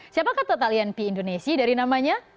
siapakah total linp indonesia dari namanya